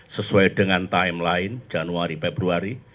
sesuai dengan timeline januari februari